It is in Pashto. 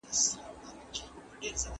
تاسي باید پر دغه کټ بېدېدلي وای.